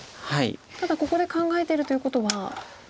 ただここで考えてるということは。